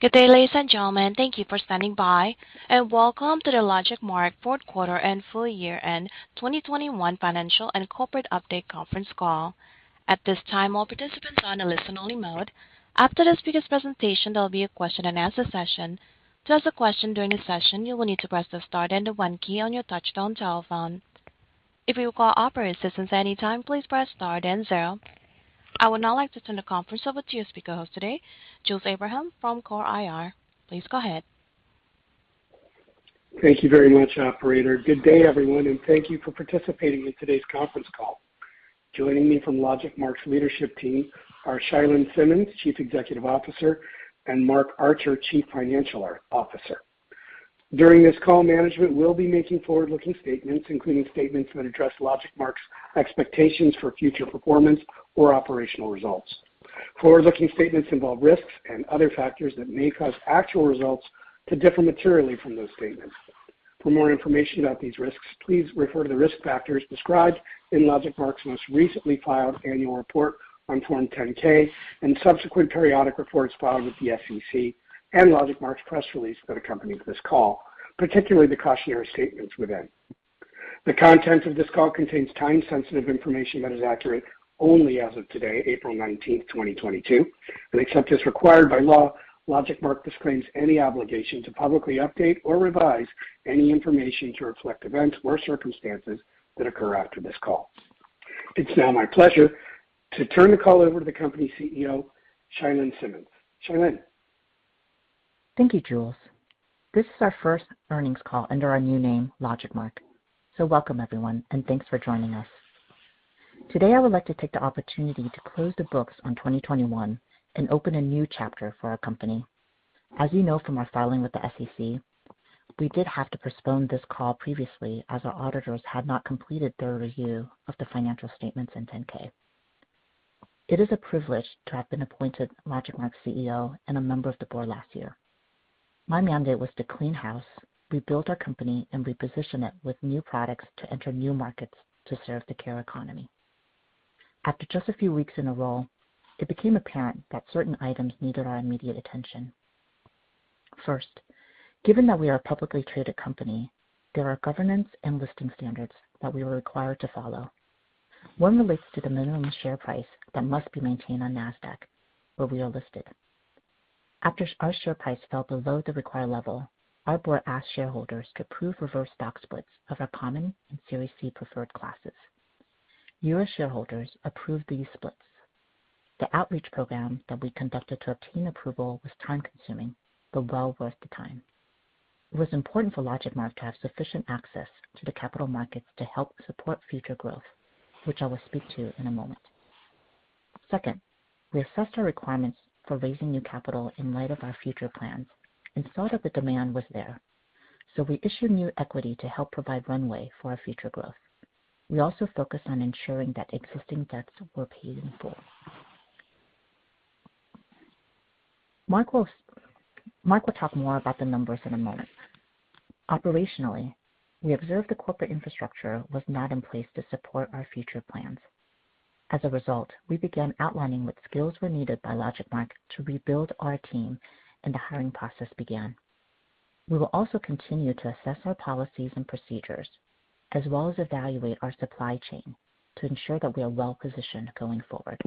Good day, ladies and gentlemen. Thank you for standing by, and welcome to the LogicMark Fourth Quarter and Full Year end 2021 Financial and Corporate Update Conference Call. At this time, all participants are in a listen-only mode. After the speaker's presentation, there'll be a question-and-answer session. To ask a question during the session, you will need to press the star then the one key on your touchtone telephone. If you require operator assistance at any time, please press star then zero. I would now like to turn the conference over to your speaker host today, Jules Abraham from CORE IR. Please go ahead. Thank you very much, operator. Good day, everyone, and thank you for participating in today's conference call. Joining me from LogicMark's leadership team are Chia-Lin Simmons, Chief Executive Officer, and Mark Archer, Chief Financial Officer. During this call, management will be making forward-looking statements, including statements that address LogicMark's expectations for future performance or operational results. Forward-looking statements involve risks and other factors that may cause actual results to differ materially from those statements. For more information about these risks, please refer to the risk factors described in LogicMark's most recently filed annual report on Form 10-K and subsequent periodic reports filed with the SEC and LogicMark's press release that accompanied this call, particularly the cautionary statements within. The content of this call contains time-sensitive information that is accurate only as of today, 19 April 2022. Except as required by law, LogicMark disclaims any obligation to publicly update or revise any information to reflect events or circumstances that occur after this call. It's now my pleasure to turn the call over to the company CEO, Chia-Lin Simmons. Chia-Lin. Thank you, Jules. This is our first earnings call under our new name, LogicMark. Welcome, everyone, and thanks for joining us. Today, I would like to take the opportunity to close the books on 2021 and open a new chapter for our company. As you know from our filing with the SEC, we did have to postpone this call previously as our auditors had not completed their review of the financial statements in Form 10-K. It is a privilege to have been appointed LogicMark's CEO and a member of the board last year. My mandate was to clean house, rebuild our company, and reposition it with new products to enter new markets to serve the care economy. After just a few weeks in the role, it became apparent that certain items needed our immediate attention. First, given that we are a publicly traded company, there are governance and listing standards that we were required to follow. One relates to the minimum share price that must be maintained on Nasdaq, where we are listed. After our share price fell below the required level, our board asked shareholders to approve reverse stock splits of our common and Series C Preferred classes. You as shareholders approved these splits. The outreach program that we conducted to obtain approval was time-consuming but well worth the time. It was important for LogicMark to have sufficient access to the capital markets to help support future growth, which I will speak to in a moment. Second, we assessed our requirements for raising new capital in light of our future plans and saw that the demand was there. We issued new equity to help provide runway for our future growth. We also focused on ensuring that existing debts were paid in full. Mark will talk more about the numbers in a moment. Operationally, we observed the corporate infrastructure was not in place to support our future plans. As a result, we began outlining what skills were needed by LogicMark to rebuild our team, and the hiring process began. We will also continue to assess our policies and procedures, as well as evaluate our supply chain to ensure that we are well-positioned going forward.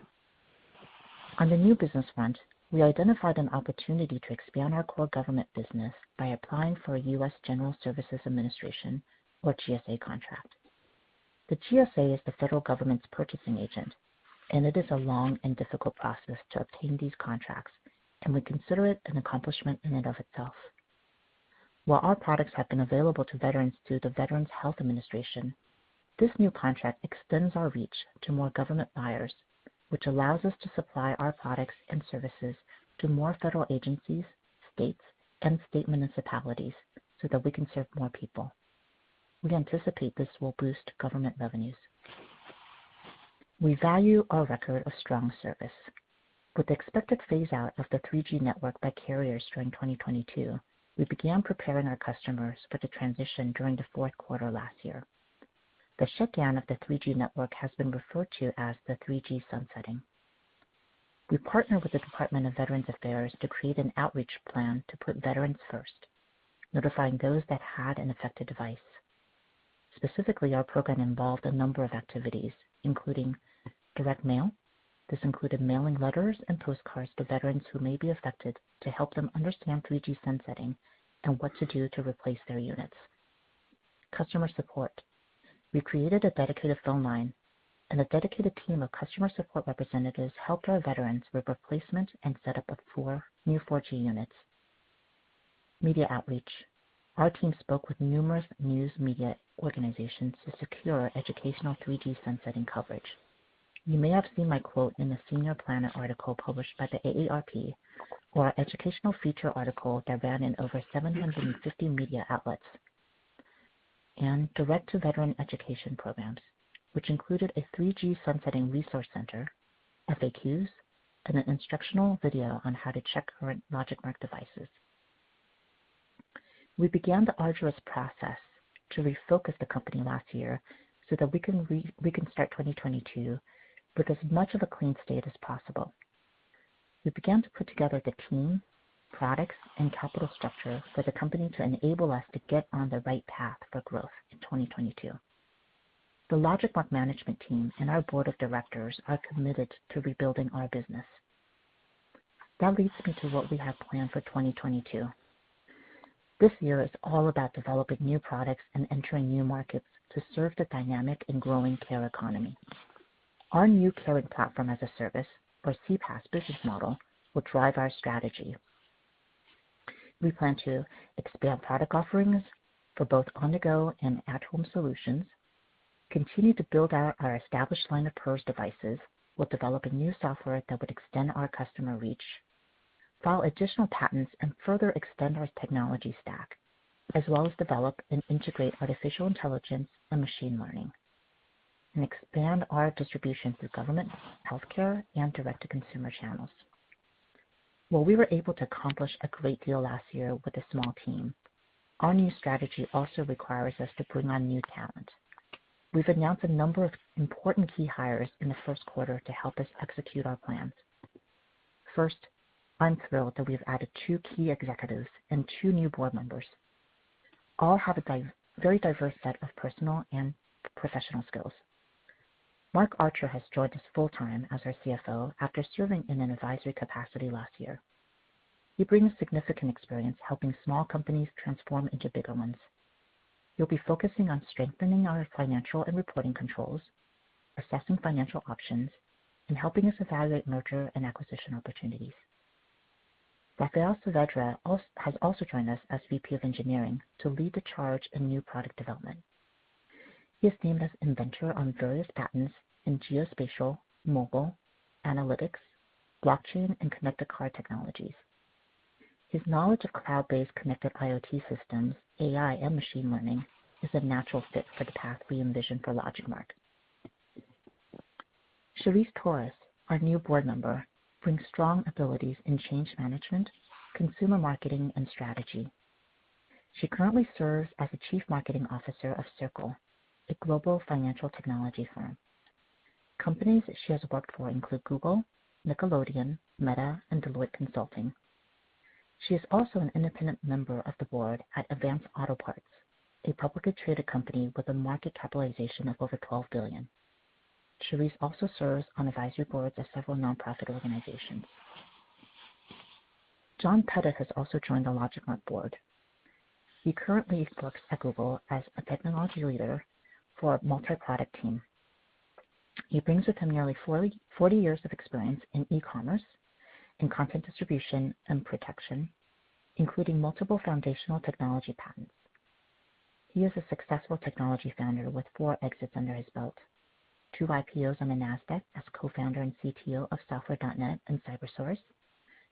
On the new business front, we identified an opportunity to expand our core government business by applying for a US.General Services Administration or GSA contract. The GSA is the federal government's purchasing agent, and it is a long and difficult process to obtain these contracts, and we consider it an accomplishment in and of itself. While our products have been available to veterans through the Veterans Health Administration, this new contract extends our reach to more government buyers, which allows us to supply our products and services to more federal agencies, states, and state municipalities so that we can serve more people. We anticipate this will boost government revenues. We value our record of strong service. With the expected phase out of the 3G network by carriers during 2022, we began preparing our customers for the transition during the fourth quarter last year. The shutdown of the 3G network has been referred to as the 3G sunsetting. We partnered with the Department of Veterans Affairs to create an outreach plan to put veterans first, notifying those that had an affected device. Specifically, our program involved a number of activities, including direct mail. This included mailing letters and postcards to veterans who may be affected to help them understand 3G sunsetting and what to do to replace their units. Customer support. We created a dedicated phone line, and a dedicated team of customer support representatives helped our veterans with replacement and set up of four new 4G units. Media outreach. Our team spoke with numerous news media organizations to secure educational 3G sunsetting coverage. You may have seen my quote in the Senior Planet article published by the AARP or our educational feature article that ran in over 750 media outlets. Direct-to-veteran education programs, which included a 3G sunsetting resource center, FAQs, and an instructional video on how to check current LogicMark devices. We began the arduous process to refocus the company last year so that we can start 2022 with as much of a clean slate as possible. We began to put together the team, products, and capital structure for the company to enable us to get on the right path for growth in 2022. The LogicMark management team and our board of directors are committed to rebuilding our business. That leads me to what we have planned for 2022. This year is all about developing new products and entering new markets to serve the dynamic and growing care economy. Our new Care ID Platform as a Service, or CPaaS business model, will drive our strategy. We plan to expand product offerings for both on-the-go and at-home solutions, continue to build out our established line of PERS devices. We're developing new software that would extend our customer reach, file additional patents, and further extend our technology stack, as well as develop and integrate artificial intelligence and machine learning, and expand our distribution through government, healthcare, and direct-to-consumer channels. While we were able to accomplish a great deal last year with a small team, our new strategy also requires us to bring on new talent. We've announced a number of important key hires in the first quarter to help us execute our plans. First, I'm thrilled that we've added two key executives and two new board members. All have a very diverse set of personal and professional skills. Mark Archer has joined us full-time as our CFO after serving in an advisory capacity last year. He brings significant experience helping small companies transform into bigger ones. He'll be focusing on strengthening our financial and reporting controls, assessing financial options, and helping us evaluate merger and acquisition opportunities. Rafael Saavedra also joined us as VP of Engineering to lead the charge in new product development. He is named as inventor on various patents in geospatial, mobile, analytics, blockchain, and connected car technologies. His knowledge of cloud-based connected IoT systems, AI, and machine learning is a natural fit for the path we envision for LogicMark. Sherice Torres, our new board member, brings strong abilities in change management, consumer marketing, and strategy. She currently serves as the chief marketing officer of Circle, a global financial technology firm. Companies she has worked for include Google, Nickelodeon, Meta, and Deloitte Consulting. She is also an independent member of the board at Advance Auto Parts, a publicly traded company with a market capitalization of over $12 billion. Sherice also serves on advisory boards of several nonprofit organizations. John Pettit has also joined the LogicMark board. He currently works at Google as a technology leader for a multi-product team. He brings with him nearly 40 years of experience in e-commerce and content distribution and protection, including multiple foundational technology patents. He is a successful technology founder with four exits under his belt, two IPOs on the Nasdaq as co-founder and CTO of Software.net and Cybersource,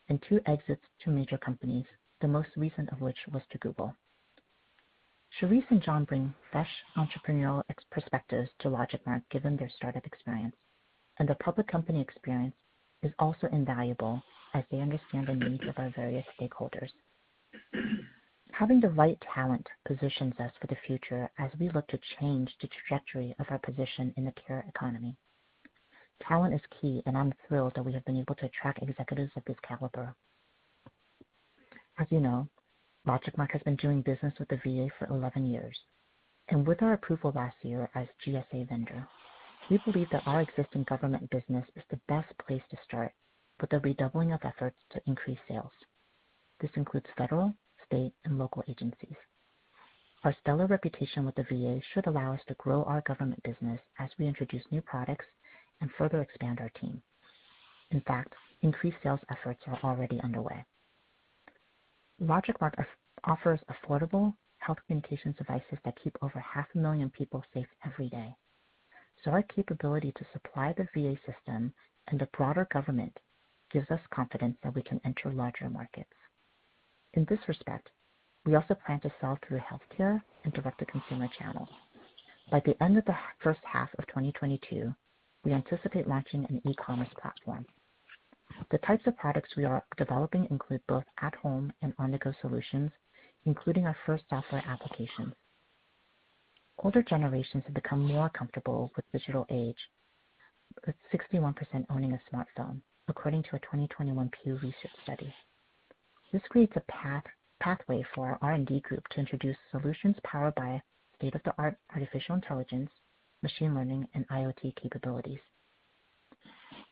and two exits to major companies, the most recent of which was to Google. Sherice and John bring fresh entrepreneurial perspectives to LogicMark given their startup experience, and the public company experience is also invaluable as they understand the needs of our various stakeholders. Having the right talent positions us for the future as we look to change the trajectory of our position in the care economy. Talent is key, and I'm thrilled that we have been able to attract executives of this caliber. As you know, LogicMark has been doing business with the VA for 11 years, and with our approval last year as GSA vendor, we believe that our existing government business is the best place to start with the redoubling of efforts to increase sales. This includes federal, state, and local agencies. Our stellar reputation with the VA should allow us to grow our government business as we introduce new products and further expand our team. In fact, increased sales efforts are already underway. LogicMark offers affordable health communication devices that keep over 500,000 people safe every day. Our capability to supply the VA system and the broader government gives us confidence that we can enter larger markets. In this respect, we also plan to sell through healthcare and direct-to-consumer channels. By the end of the first half of 2022, we anticipate launching an e-commerce platform. The types of products we are developing include both at-home and on-the-go solutions, including our first software application. Older generations have become more comfortable with digital age, with 61% owning a smartphone, according to a 2021 Pew Research Center study. This creates a pathway for our R&D group to introduce solutions powered by state-of-the-art artificial intelligence, machine learning, and IoT capabilities.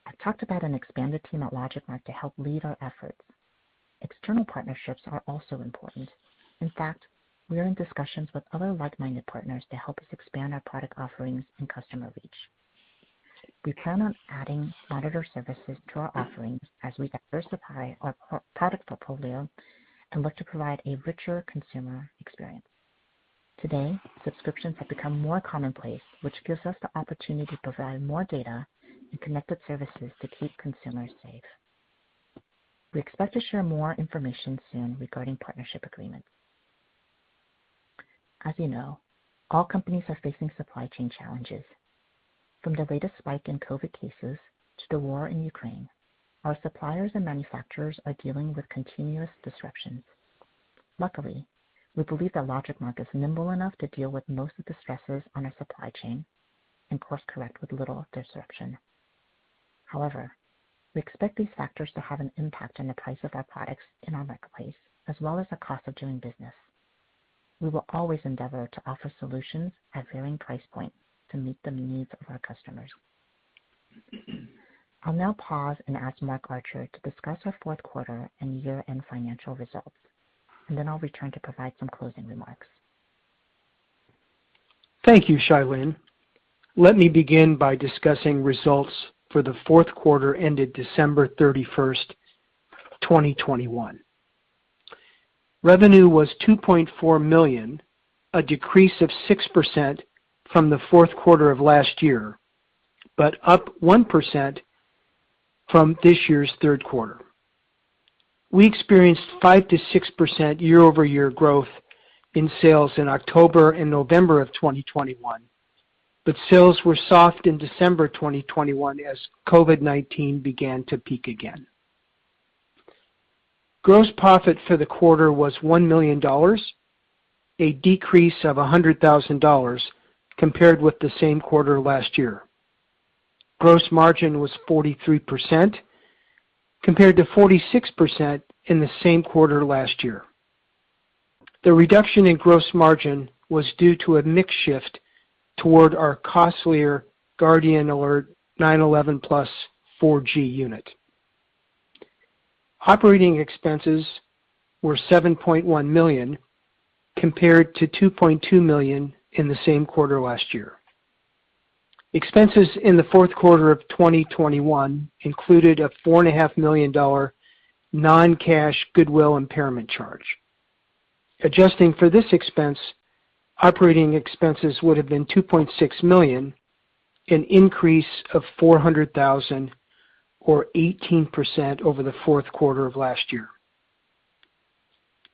I've talked about an expanded team at LogicMark to help lead our efforts. External partnerships are also important. In fact, we are in discussions with other like-minded partners to help us expand our product offerings and customer reach. We plan on adding monitoring services to our offerings as we diversify our product portfolio and look to provide a richer consumer experience. Today, subscriptions have become more commonplace, which gives us the opportunity to provide more data and connected services to keep consumers safe. We expect to share more information soon regarding partnership agreements. As you know, all companies are facing supply chain challenges. From the latest spike in COVID cases to the war in Ukraine, our suppliers and manufacturers are dealing with continuous disruptions. Luckily, we believe that LogicMark is nimble enough to deal with most of the stresses on our supply chain and course-correct with little disruption. However, we expect these factors to have an impact on the price of our products in our marketplace, as well as the cost of doing business. We will always endeavor to offer solutions at varying price points to meet the needs of our customers. I'll now pause and ask Mark Archer to discuss our fourth quarter and year-end financial results, and then I'll return to provide some closing remarks. Thank you, Chia-Lin. Let me begin by discussing results for the fourth quarter ended 31 December 31, 2021. Revenue was $2.4 million, a decrease of 6% from the fourth quarter of last year, but up 1% from this year's third quarter. We experienced 5%-6% year-over-year growth in sales in October and November of 2021, but sales were soft in December 2021 as COVID-19 began to peak again. Gross profit for the quarter was $1 million, a decrease of $100,000 compared with the same quarter last year. Gross margin was 43% compared to 46% in the same quarter last year. The reduction in gross margin was due to a mix shift toward our costlier Guardian Alert 911 Plus 4G unit. Operating expenses were $7.1 million compared to $2.2 million in the same quarter last year. Expenses in the fourth quarter of 2021 included a $4.5 million non-cash goodwill impairment charge. Adjusting for this expense, operating expenses would have been $2.6 million, an increase of $400,000 or 18% over the fourth quarter of last year.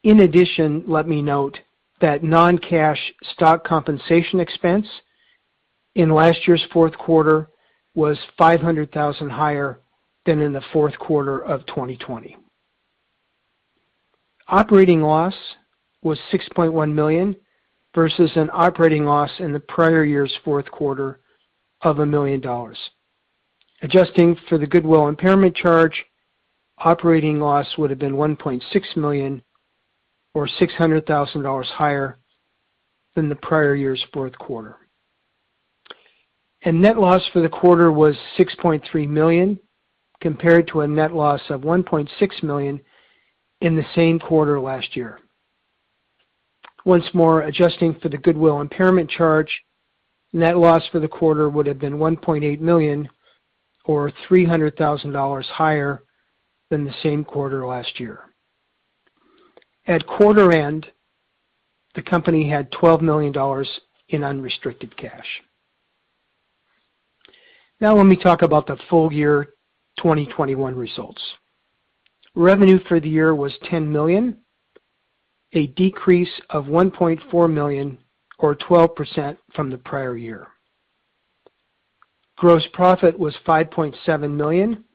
In addition, let me note that non-cash stock compensation expense in last year's fourth quarter was $500,000 higher than in the fourth quarter of 2020. Operating loss was $6.1 million versus an operating loss in the prior year's fourth quarter of $1 million. Adjusting for the goodwill impairment charge, operating loss would have been $1.6 million or $600,000 higher than the prior year's fourth quarter. Net loss for the quarter was $6.3 million, compared to a net loss of $1.6 million in the same quarter last year. Once more, adjusting for the goodwill impairment charge, net loss for the quarter would have been $1.8 million or $300,000 higher than the same quarter last year. At quarter end, the company had $12 million in unrestricted cash. Now let me talk about the full year 2021 results. Revenue for the year was $10 million, a decrease of $1.4 million or 12% from the prior year. Gross profit was $5.7 million,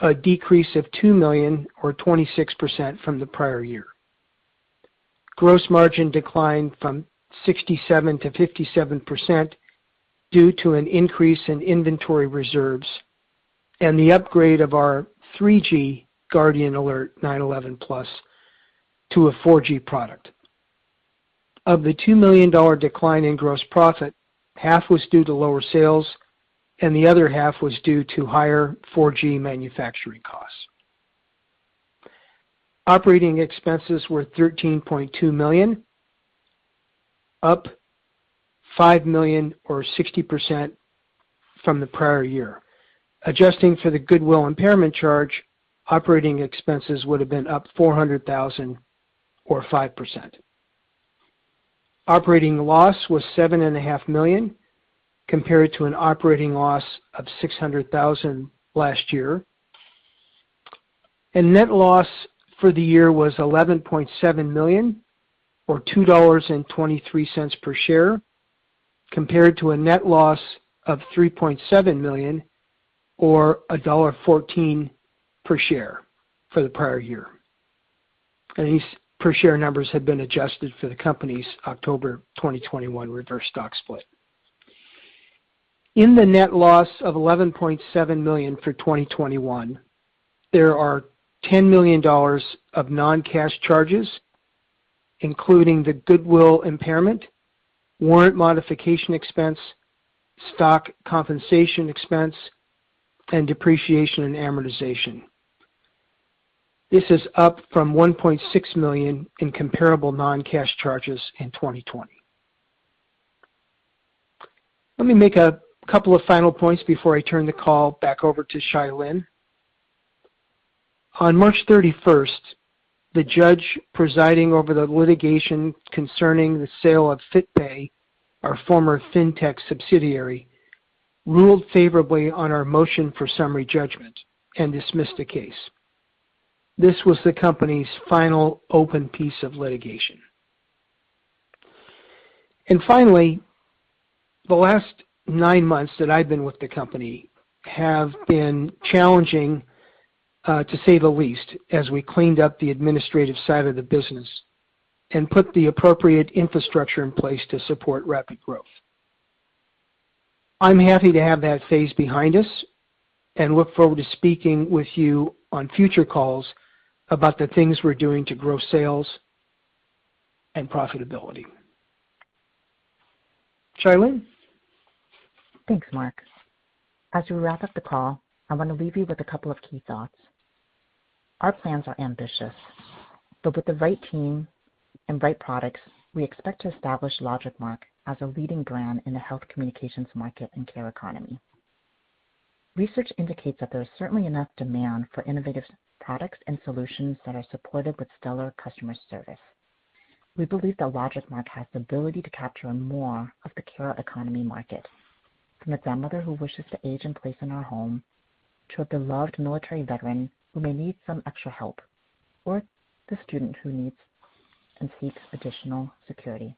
a decrease of $2 million or 26% from the prior year. Gross margin declined from 67%-57% due to an increase in inventory reserves and the upgrade of our 3G Guardian Alert 911 Plus to a 4G product. Of the $2 million decline in gross profit, half was due to lower sales and the other half was due to higher 4G manufacturing costs. Operating expenses were $13.2 million, up $5 million or 60% from the prior year. Adjusting for the goodwill impairment charge, operating expenses would have been up $400,000 or 5%. Operating loss was $7.5 million compared to an operating loss of $600,000 last year. Net loss for the year was $11.7 million or $2.23 per share, compared to a net loss of $3.7 million or $1.14 per share for the prior year. These per share numbers have been adjusted for the company's October 2021 reverse stock split. In the net loss of $11.7 million for 2021, there are $10 million of non-cash charges, including the goodwill impairment, warrant modification expense, stock compensation expense, and depreciation and amortization. This is up from $1.6 million in comparable non-cash charges in 2020. Let me make a couple of final points before I turn the call back over to Shilyn. On March 31, the judge presiding over the litigation concerning the sale of FitPay, our former Fintech subsidiary, ruled favorably on our motion for summary judgment and dismissed the case. This was the company's final open piece of litigation. Finally, the last nine months that I've been with the company have been challenging, to say the least, as we cleaned up the administrative side of the business and put the appropriate infrastructure in place to support rapid growth. I'm happy to have that phase behind us and look forward to speaking with you on future calls about the things we're doing to grow sales and profitability. Charlene? Thanks, Mark. As we wrap up the call, I want to leave you with a couple of key thoughts. Our plans are ambitious, but with the right team and right products, we expect to establish LogicMark as a leading brand in the health communications market and care economy. Research indicates that there is certainly enough demand for innovative products and solutions that are supported with stellar customer service. We believe that LogicMark has the ability to capture more of the care economy market, from the grandmother who wishes to age in place in her home, to a beloved military veteran who may need some extra help, or the student who needs and seeks additional security.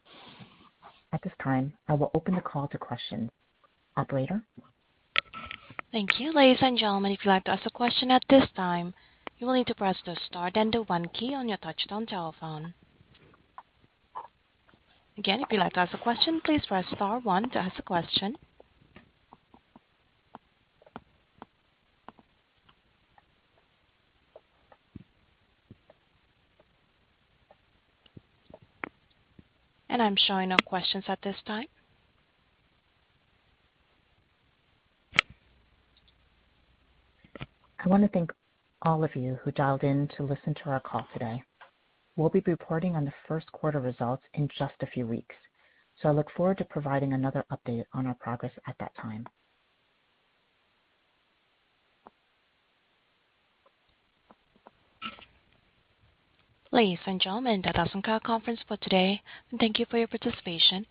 At this time, I will open the call to questions. Operator? Thank you. Ladies and gentlemen, if you'd like to ask a question at this time, you will need to press the star then the one key on your touch-tone telephone. Again, if you'd like to ask a question, please press star one to ask a question. I'm showing no questions at this time. I wanna thank all of you who dialed in to listen to our call today. We'll be reporting on the first quarter results in just a few weeks, so I look forward to providing another update on our progress at that time. Ladies and gentlemen, that does end our conference for today. Thank you for your participation.